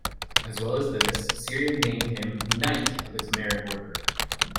As well as this, Syria named him Knight of its Merit Order.